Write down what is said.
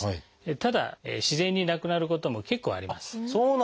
ただ自然になくなることも結構あります。